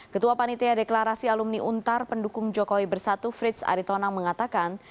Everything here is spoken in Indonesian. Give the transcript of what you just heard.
ketua panitia deklarasi alumni untar pendukung jokowi bersatu frits aritonang mengatakan